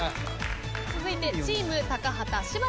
続いてチーム高畑柴田さん。